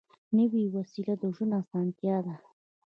نوې وسیله د ژوند اسانتیا ده